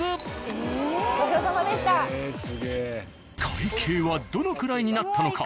会計はどのくらいになったのか？